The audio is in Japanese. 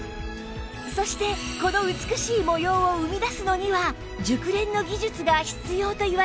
そしてこの美しい模様を生み出すのには熟練の技術が必要といわれています